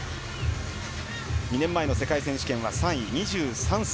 ２年前の世界選手権は３位、２３歳。